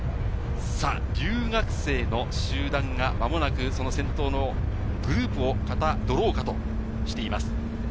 留学生の集団が間もなく先頭のグループを形どろうかとしています。